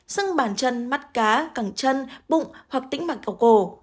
sưng bàn chân mắt cá cẳng chân bụng hoặc tinh mạch cầu cổ